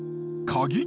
鍵？